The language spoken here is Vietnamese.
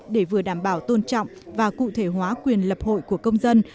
để vừa đảm bảo tôn trọng và cụ thể hóa quyền lập hội của công dân